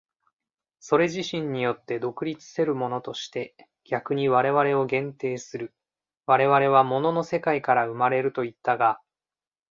それ自身によって独立せるものとして逆に我々を限定する、我々は物の世界から生まれるといったが、